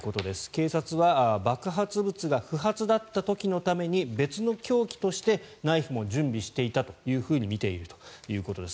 警察は爆発物が不発だった時のために別の凶器としてナイフも準備していたとみているということです。